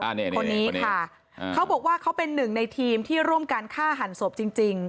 อันนี้คนนี้ค่ะเขาบอกว่าเขาเป็นหนึ่งในทีมที่ร่วมการฆ่าหันศพจริงจริง